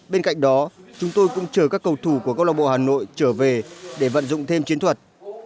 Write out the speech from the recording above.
bên cạnh đó chúng tôi cũng chờ các cầu thủ của câu lạc bộ hà nội trở về để vận dụng thêm chiến thuật